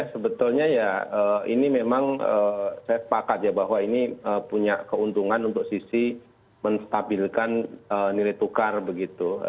sebetulnya ya ini memang saya sepakat ya bahwa ini punya keuntungan untuk sisi menstabilkan nilai tukar begitu